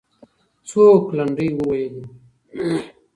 څوک لنډۍ وویلې؟